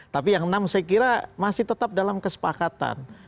tapi yang enam saya kira masih tetap dalam kesepakatan